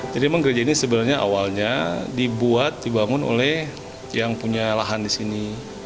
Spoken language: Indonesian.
jadi memang gereja ini sebenarnya awalnya dibuat dibangun oleh yang punya lahan di sini